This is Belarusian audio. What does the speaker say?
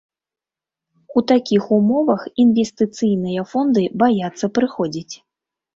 У такіх умовах інвестыцыйныя фонды баяцца прыходзіць.